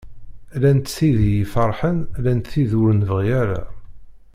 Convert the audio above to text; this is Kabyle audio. Llant tid iyi-ferḥen llant tid ur nebɣi ara.